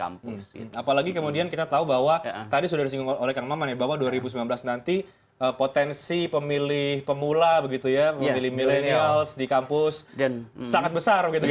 apalagi kemudian kita tahu bahwa dua ribu sembilan belas nanti potensi pemilih pemula pemilih millenials di kampus sangat besar